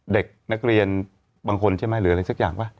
เด็กนักเรียนบางคนใช่ไหมหรืออะไรสักอย่างป่ะ